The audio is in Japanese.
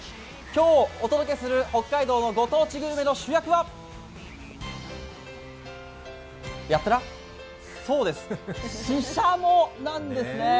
今日、お届けする北海道のご当地グルメの主役はそうです、ししゃもなんです。